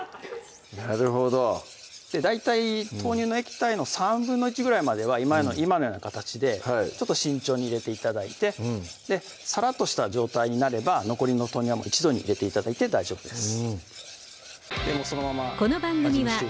はい大体豆乳の液体の１／３ぐらいまでは今のような形でちょっと慎重に入れて頂いてさらっとした状態になれば残りの豆乳は一度に入れて頂いて大丈夫です